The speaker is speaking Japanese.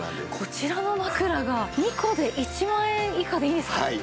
こちらの枕が２個で１万円以下でいいんですか？